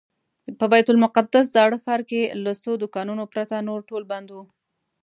په بیت المقدس زاړه ښار کې له څو دوکانونو پرته نور ټول بند و.